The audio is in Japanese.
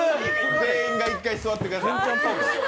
全員が１回座ってください